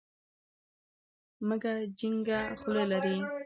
مږه چينګه خوله لري.